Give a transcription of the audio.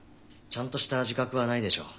ちゃんとした自覚はないでしょう。